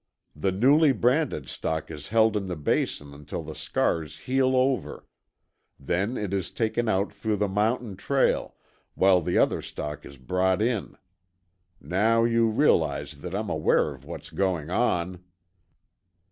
The newly branded stock is held in the Basin until the scars heal over. Then it is taken out through the mountain trail, while other stock is brought in. Now you realize that I'm aware of what is going on."